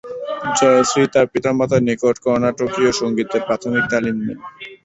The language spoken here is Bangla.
জয়শ্রী তার পিতামাতার নিকট কর্ণাটকীয় সঙ্গীতের প্রাথমিক তালিম নেন।